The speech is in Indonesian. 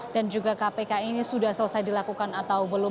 dan juga kpk ini sudah selesai dilakukan atau belum